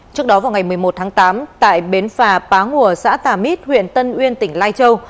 trước đó vào ngày một mươi một tháng tám tại bến phà pá ngùa xã tà mít huyện tân uyên tỉnh lai châu